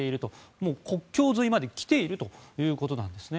もう国境沿いまで来ているということなんです。